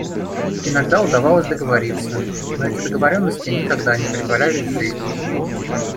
Иногда удавалось договориться, но эти договоренности никогда не претворялись в жизнь.